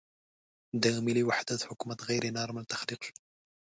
د ملي وحدت حکومت غیر نارمل تخلیق شو.